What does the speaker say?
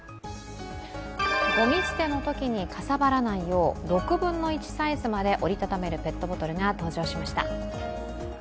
ごみ捨てのときにかさばらないよう６分の１サイズまで折り畳めるペットボトルが登場しました。